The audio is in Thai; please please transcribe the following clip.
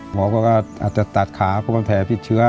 หมอก็อาจจะตัดขาเพราะมันแผลผิดเชื้อ